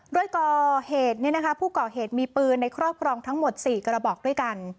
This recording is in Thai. โดยก่อเหตุผู้ก่อเหตุมีปืนในครอบครองทั้งหมด๔กระบอกด้วยกัน